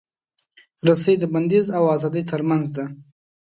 رسۍ د بندیز او ازادۍ ترمنځ ده.